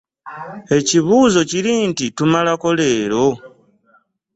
Ekibuuzo kiri nti tumalako leero?